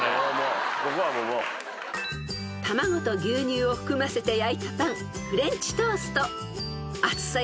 ［卵と牛乳を含ませて焼いたパンフレンチトースト］